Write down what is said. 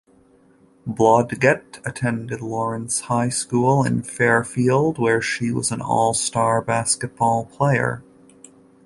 Blodgett attended Lawrence High School in Fairfield, where she was an all-star basketball player.